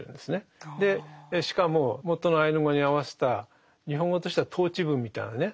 でしかも元のアイヌ語に合わせた日本語としては倒置文みたいなね